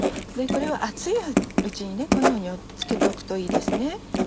これを熱いうちにこんなふうに漬けておくといいですね。